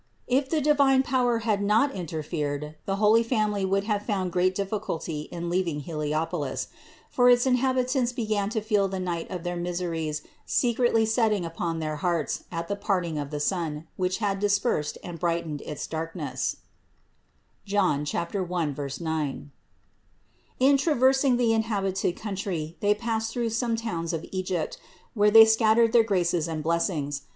If the divine power had not interfered, the holy Family would have found great difficulty in leaving Heliopolis ; for its inhabitants began to feel the night of their miseries secretly setting upon their hearts at the parting of the Sun, which had dis persed and brightened its darkness (John 1, 9). In traversing the inhabited country they passed through some towns of Egypt, where They scattered their graces and blessings.